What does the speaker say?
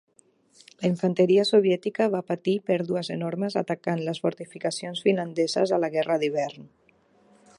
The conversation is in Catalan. La infanteria soviètica va patir pèrdues enormes atacant les fortificacions finlandeses a la Guerra d'Hivern.